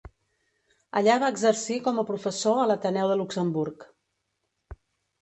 Allà va exercir com a professor a l'Ateneu de Luxemburg.